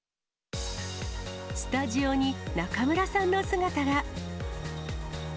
スタジオに中村さんの姿が。